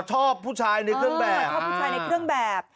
ชอบผู้ชายในเครื่องแบบ